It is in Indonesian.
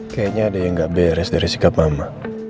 kayaknya ada yang gak beres dari sikap mama